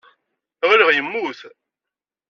Ɣileɣ yemmut.